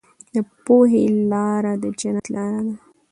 د پوهې لاره د جنت لاره ده.